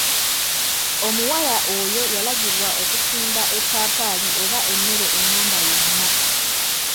Omuwala oyo yalagibwa okusimba eppaapaali oba emmere enganda yonna.